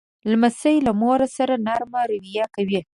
لمسی له مور سره نرمه رویه کوي.